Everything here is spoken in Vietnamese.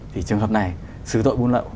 thì trường hợp này sự tội buôn lậu